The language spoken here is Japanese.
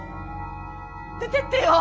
出てってよ